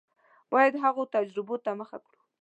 باید هغو تجربو ته مخه کړو.